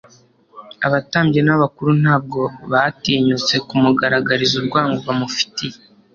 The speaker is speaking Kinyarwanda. Abatambyi n’abakuru ntabwo batinyutse kumugaragariza urwango bamufitiye